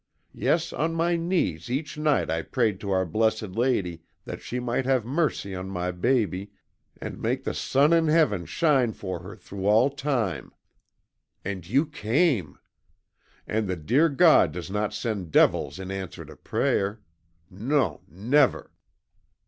Yes, on my knees each night I prayed to Our Blessed Lady that she might have mercy on my baby, and make the sun in heaven shine for her through all time. AND YOU CAME! And the dear God does not send devils in answer to prayer. NON; never!"